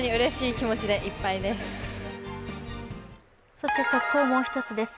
そして速報をもう１つです。